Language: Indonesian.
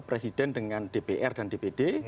presiden dengan dpr dan dpd